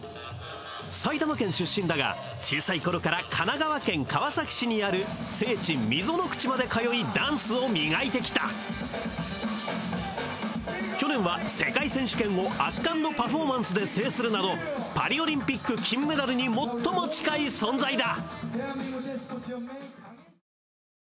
埼玉県出身だが小さい頃から神奈川県川崎市にある聖地溝の口まで通いダンスを磨いてきた去年は世界選手権を圧巻のパフォーマンスで制するなどパリオリンピック金メダルに最も近い存在だ！